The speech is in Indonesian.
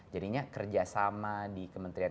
jadinya kerjasama di kementerian